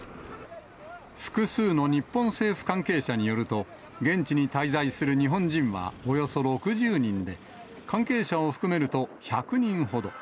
複数の日本政府関係者によると、現地に滞在する日本人は、およそ６０人で、関係者を含めると１００人ほど。